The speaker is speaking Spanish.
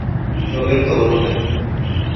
Roberto Horta.